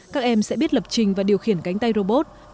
các em sẽ biết lập trình và điều khiển cánh tay robot